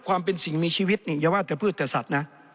ความเป็นสิ่งมีชีวิตนี่อย่าว่าแต่พืชแต่สัตว์นะ